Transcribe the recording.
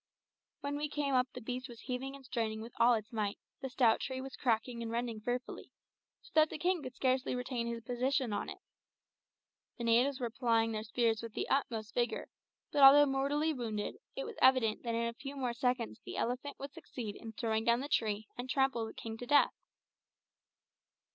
When we came up the beast was heaving and straining with all its might, the stout tree was cracking and rending fearfully, so that the king could scarcely retain his position on it. The natives were plying their spears with the utmost vigour; but although mortally wounded, it was evident that in a few more seconds the elephant would succeed in throwing down the tree and trample the king to death.